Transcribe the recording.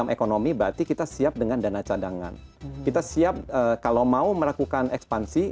ekonomi berarti kita siap dengan dana cadangan kita siap kalau mau melakukan ekspansi